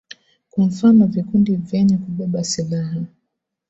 kwa mfano vikundi vyenye kubeba silaha